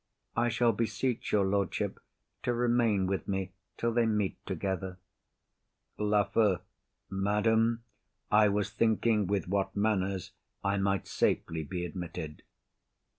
I shall beseech your lordship to remain with me till they meet together. LAFEW. Madam, I was thinking with what manners I might safely be admitted.